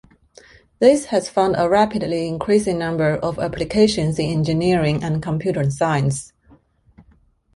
This has found a rapidly increasing number of applications in engineering and computer science.